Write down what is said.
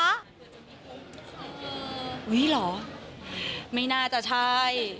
อุ๊ยเหรอไม่น่าจะใช่